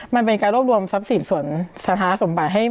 มันเป็นการรวบรวมทรัพย์ศิลป์สถาสมบัติ